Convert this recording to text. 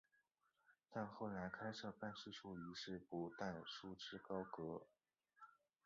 但后来开设办事处一事不但束之高阁。